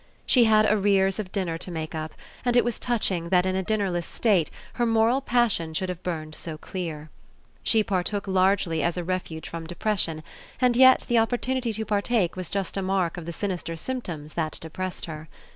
She had arrears of dinner to make up, and it was touching that in a dinnerless state her moral passion should have burned so clear. She partook largely as a refuge from depression, and yet the opportunity to partake was just a mark of the sinister symptoms that depressed her.